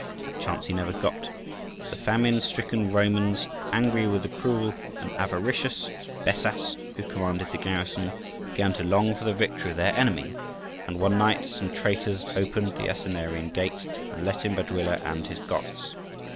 That chance he never got. The famine stricken Romans, angry with the cruel and avaricious Bessas, who commanded the garrison, began to long for the victory of their enemy; and one night some traitors opened the Asinarian Gate, and let in Baduila and his Goths.